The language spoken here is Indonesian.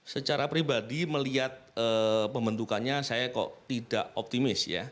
secara pribadi melihat pembentukannya saya kok tidak optimis ya